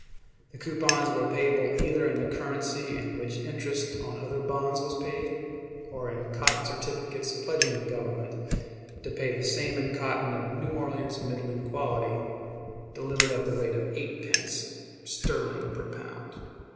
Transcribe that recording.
The coupons were payable either in the currency in which interest on other bonds was paid, or in cotton certificates pledging the Government to pay the same in cotton of New Orleans middling quality, delivered at the rate of eight pence sterling per pound.